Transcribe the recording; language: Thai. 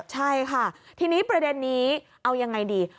ใช่ค่ะทีนี้ประเด็นนี้เอายังไงดี